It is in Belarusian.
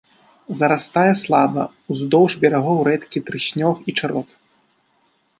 Зарастае слаба, уздоўж берагоў рэдкі трыснёг і чарот.